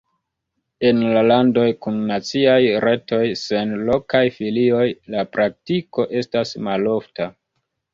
En landoj kun naciaj retoj sen lokaj filioj la praktiko estas malofta.